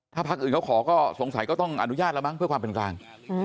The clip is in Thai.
ถ้าภาคอื่นเขาขอก็สงสัยก็ต้องอนุญาตแล้วมั้ง